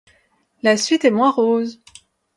La suite est moins rose.